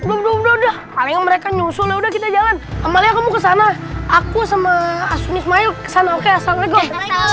udah udah paling mereka nyusul udah kita jalan ke sana aku sama asmi ke sana oke assalamualaikum